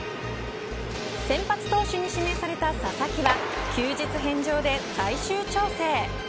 先発投手に指名された佐々木は休日返上で最終調整。